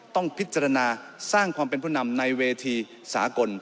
ต้องพิจารณาสร้างความเป็นผู้นำในเวทีสากล